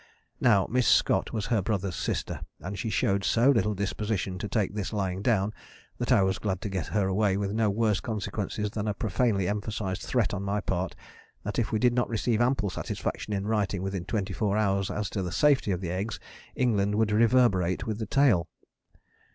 Now Miss Scott was her brother's sister; and she showed so little disposition to take this lying down that I was glad to get her away with no worse consequences than a profanely emphasized threat on my part that if we did not receive ample satisfaction in writing within twenty four hours as to the safety of the eggs England would reverberate with the tale.